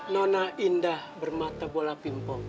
nona indah bermata bola pingpong mau